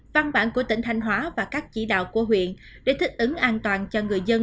văn bản của tỉnh thanh hóa và các chỉ đạo của huyện để thích ứng an toàn cho người dân